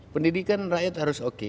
pendidikan rakyat harus oke